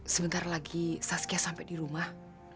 sebentar lagi saskia sampe di rumah